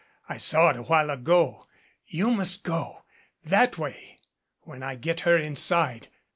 I saw it a while ago. You must go that way when I get her inside.